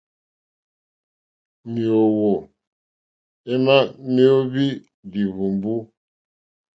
Méǒhwò émá méóhwí líhwùmbú.